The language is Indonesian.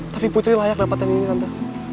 tapi putri layak dapatkan ini tante